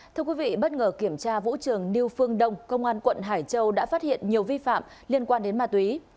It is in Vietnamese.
thưa quý vị bất ngờ kiểm tra vũ trường new phương đông công an quận hải châu đã phát hiện nhiều vi phạm liên quan đến ma túy